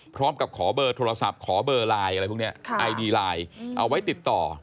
พร้อมกับขอเบอร์โทรศัพท์ขอเบอร์ไลน์อะไรพวกนี้ไอดีไลน์เอาไว้ติดต่อ